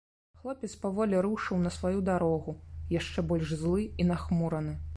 Хлопец паволі рушыў на сваю дарогу, яшчэ больш злы і нахмураны.